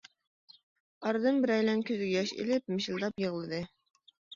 ئارىدىن بىرەيلەن كۆزىگە يا ئىلىپ مىشىلداپ يىغلىدى.